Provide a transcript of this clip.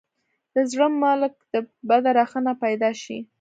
د زړه ملک ته بده رخنه پیدا شي.